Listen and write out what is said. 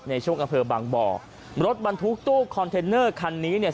ในช่วงอำเภอบางบ่อรถบรรทุกตู้คอนเทนเนอร์คันนี้เนี่ย